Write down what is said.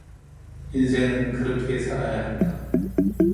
인생은 그렇게 살아야 한다.